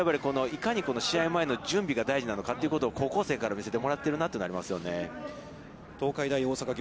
やはり本当にいかに試合前の準備が大事なかということを高校生から見せてもらっているなというのはありますね。